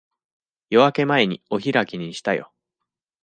夜明け前にお開きにしたよ。